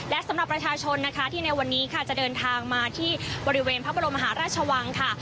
และสำหรับประชาชนนะคะที่ในวันนี้ค่ะจะเดินทางมาที่บริเวณพระบรมหาราชวังค่ะ